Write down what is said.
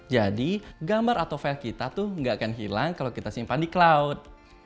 jadi gambar atau file kita tuh gak akan hilang kalau kita simpan di cloud